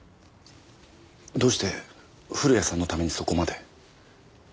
どうして古谷さんのためにそこまで？